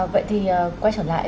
vậy thì quay trở lại